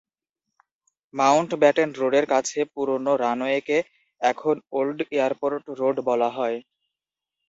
Mountbatten রোডের কাছে পুরনো রানওয়েকে এখন ওল্ড এয়ারপোর্ট রোড বলা হয়।